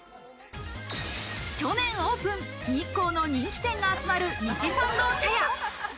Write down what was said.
去年オープン、日光の人気店が集まる西参道茶屋。